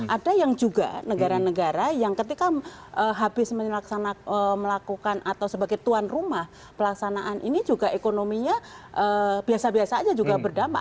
ada yang juga negara negara yang ketika habis melakukan atau sebagai tuan rumah pelaksanaan ini juga ekonominya biasa biasa aja juga berdampak